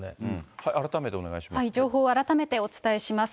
情報を改めてお伝えします。